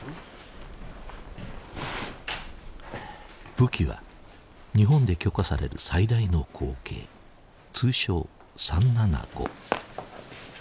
武器は日本で許可される最大の口径通称「．３７５」。